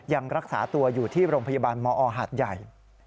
ยังรักษาตัวอยู่ที่โรงพยาบาลมอหาดใหญ่